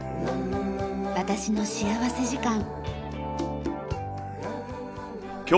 『私の幸福時間』。